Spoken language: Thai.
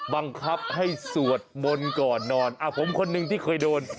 บังคับให้สวดมนต์ก่อนนอนผมคนหนึ่งที่เคยโดน